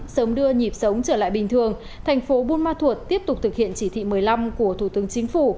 sớm đưa nhịp sống trở lại bình thường tp bumathur tiếp tục thực hiện chỉ thị một mươi năm của thủ tướng chính phủ